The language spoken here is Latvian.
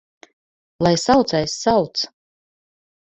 Lai saucējs sauc!